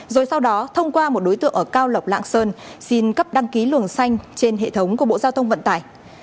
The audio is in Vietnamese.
rồi sau đó thông qua một đối tượng ở cao lộc lạng sơn xin cấp đăng ký luồng xanh trên hệ thống của bộ giao thông vận tải